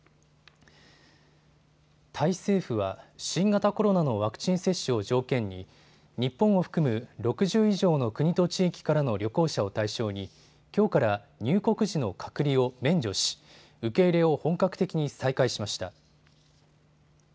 タイ政府は新型コロナのワクチン接種を条件に日本を含む６０以上の国と地域からの旅行者を対象にきょうから入国時の隔離を免除し受け入れを本格的に再開しました。